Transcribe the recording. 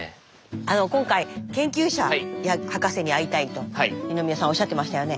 あの今回研究者や博士に会いたいと二宮さんおっしゃってましたよね。